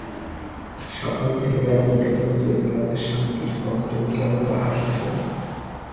সকাল থেকে বেলা দুইটা পর্যন্ত এজলাসের সামনে কিছু কনস্টেবল কেবল পাহারায় থাকেন।